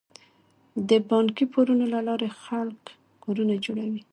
د بانکي پورونو له لارې خلک کورونه جوړوي.